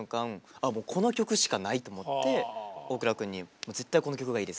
「あもうこの曲しかない」と思って大倉くんに「絶対この曲がいいです。